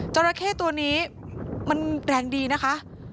ราเข้ตัวนี้มันแรงดีนะคะ